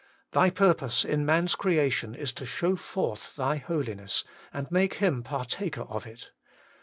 Thy purpose in man's creation is to show forth Thy Holiness, and make him partaker of it.